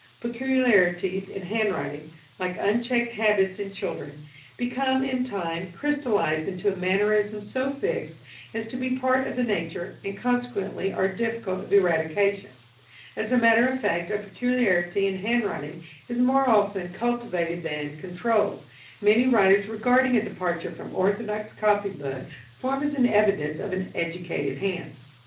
Peculiarities in handwriting, like unchecked habits in children, become, in time, crystallised into a mannerism so fixed as to be part of the nature, and consequently are difficult of eradication. As a matter of fact a peculiarity in handwriting is more often cultivated than controlled, many writers regarding a departure from orthodox copybook form as an evidence of an "educated hand."